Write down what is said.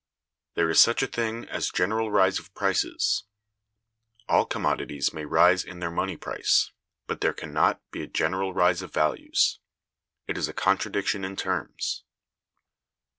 There is such a thing as a general rise of prices. All commodities may rise in their money price. But there can not be a general rise of values. It is a contradiction in terms.